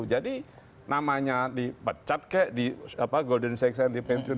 jadi namanya dipecat kayak di golden seekhs and pension